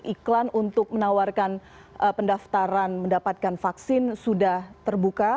iklan untuk menawarkan pendaftaran mendapatkan vaksin sudah terbuka